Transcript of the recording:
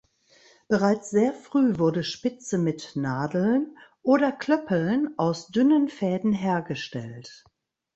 Bereits sehr früh wurde Spitze mit Nadeln oder Klöppeln aus dünnen Fäden hergestellt.